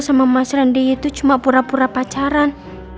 sama mas randi itu cuma pura pura pacaran